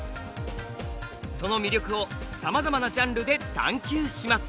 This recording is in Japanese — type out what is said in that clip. その魅力をさまざまなジャンルで探究します。